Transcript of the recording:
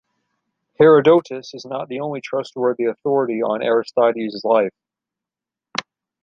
Herodotus is not the only trustworthy authority on Aristides' life.